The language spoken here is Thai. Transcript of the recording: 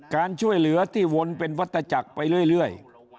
การช่วยเหลือที่วนเป็นวัตจักรไปเรื่อย